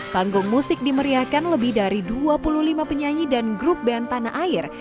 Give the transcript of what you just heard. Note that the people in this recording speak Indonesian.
panggung musik dimeriahkan lebih dari dua puluh lima penyanyi dan grup band tanah air